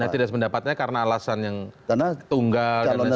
nah tidak sependapatnya karena alasan yang tunggal dan sebagainya